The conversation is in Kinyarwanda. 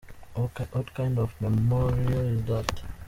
What kind of memoir is that.